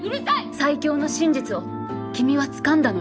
最強の真実を君はつかんだの。